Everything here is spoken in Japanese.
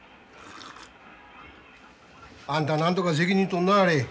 あんたなんとか責任取んなはれ。